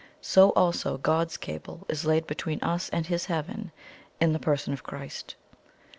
So also God's Cable is laid between us and His Heaven in the person of Christ.